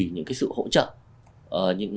những cái sự hỗ trợ những